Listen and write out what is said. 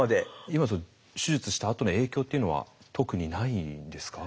今手術したあとの影響っていうのは特にないんですか？